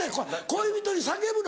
恋人に叫ぶの？